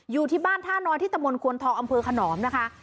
อยู่ที่บ้านท่านอยที่ตะมนตวนทองอำเภอขนอมนะคะ